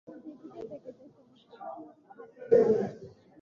দেখিতে দেখিতে সমস্ত বাধা কাটিয়া গেল।